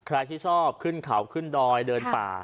ใครที่ชอบขึ้นเขาขึ้นดอยเดินป่า